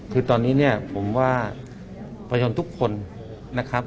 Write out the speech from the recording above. คือตอนนี้เนี่ยผมว่าประชนทุกคนนะครับ